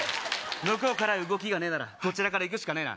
向こうから動きがねえならこちらから行くしかねえな。